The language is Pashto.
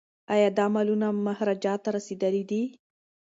ایا دا مالونه مهاراجا ته رسیدلي دي؟